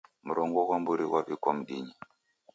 Mrongo ghwa mburi ghwaw'ikwa mdinyi